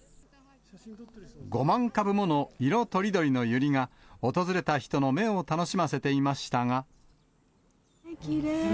５万株もの色とりどりのユリが、訪れた人の目を楽しませていましきれいよね。